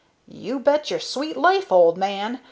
"You bet your sweet life, old man!